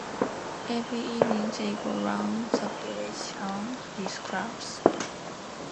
Every evening they go round the village armed with clubs.